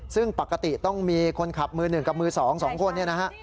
ซึ่งปกติต้องมีคนขับมือหนึ่งกับมือสองสองคน